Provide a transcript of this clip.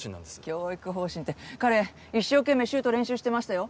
教育方針って彼一生懸命シュート練習してましたよ。